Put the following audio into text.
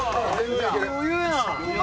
余裕やん。